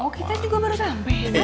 oh kita juga baru sampai